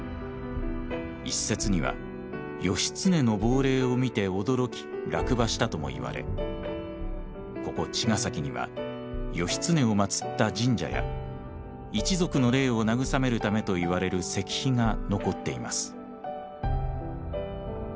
一説には義経の亡霊を見て驚き落馬したともいわれここ茅ヶ崎には義経をまつった神社や一族の霊を慰めるためといわれる石碑が残っています。